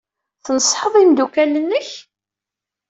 Tneṣṣḥeḍ imeddukal-nnek?